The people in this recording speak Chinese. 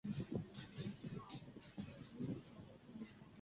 曾经效力美国职棒大联盟日本职棒等多支球队。